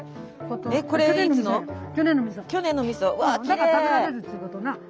だから食べられるっちゅうことな。